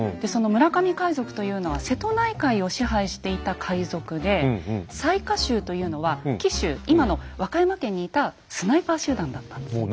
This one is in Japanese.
その村上海賊というのは瀬戸内海を支配していた海賊で雑賀衆というのは紀州今の和歌山県にいたスナイパー集団だったんです。